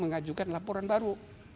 mengajukan laporan baru